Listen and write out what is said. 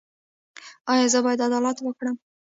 ایا زه باید عدالت وکړم؟